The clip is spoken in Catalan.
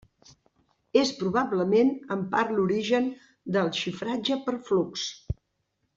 És probablement en part l'origen del xifratge per flux.